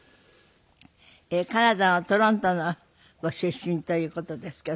カナダのトロントのご出身という事ですけど。